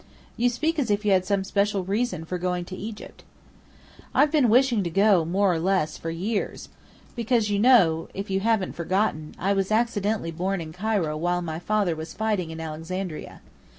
"You speak as if you had some special reason for going to Egypt." "I've been wishing to go, more or less, for years, because you know if you haven't forgotten I was accidentally born in Cairo while my father was fighting in Alexandria.